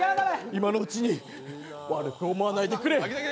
今のうちに、悪く思わないでくれ。